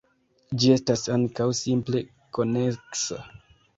Ĝi estas ankaŭ simple-koneksa.